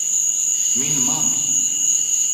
Min man!